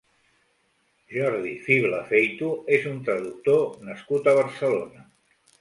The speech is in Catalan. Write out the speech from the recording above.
Jordi Fibla Feito és un traductor nascut a Barcelona.